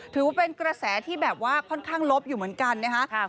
ถือว่าเป็นกระแสที่แบบว่าค่อนข้างลบอยู่เหมือนกันนะคะ